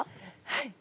はい。